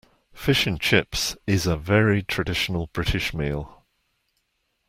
Fish and chips is a very traditional British meal